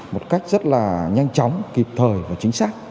một cách rất là nhanh chóng kịp thời và chính xác